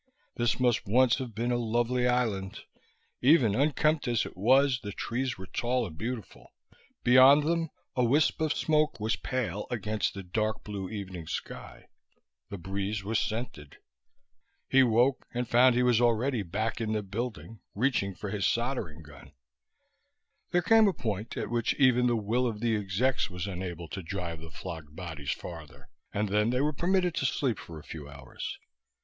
This must once have been a lovely island. Even unkempt as it was, the trees were tall and beautiful. Beyond them a wisp of smoke was pale against the dark blue evening sky; the breeze was scented.... He woke and found he was already back in the building, reaching for his soldering gun. There came a point at which even the will of the execs was unable to drive the flogged bodies farther, and then they were permitted to sleep for a few hours.